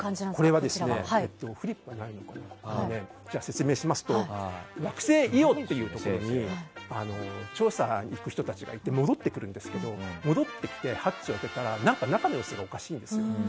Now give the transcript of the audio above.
説明しますと惑星イオというところに調査に行く人たちがいて戻ってくるんですけど戻ってきて、ハッチを開けたら中の様子がおかしいんですよ。